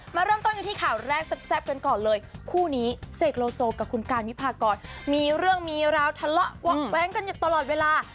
มาเริ่มต้นกันที่ข่าวแรกแซ่บกันก่อนเลยคู่นี้เสกโลโซกับคุณการวิพากรมีเรื่องมีราวทะเลาะแว้งกันอยู่ตลอดเวลา